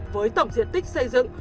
với tổng diện tích xây dựng